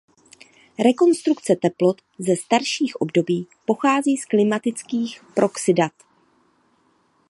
Rekonstrukce teplot ze starších období pochází z klimatických proxy dat.